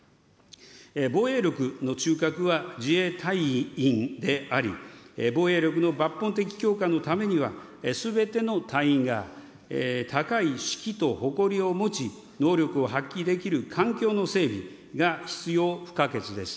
防衛力の中核は自衛隊員であり、防衛力の抜本的強化のためには、すべての隊員が高い士気と誇りを持ち、能力を発揮できる環境の整備が必要不可欠です。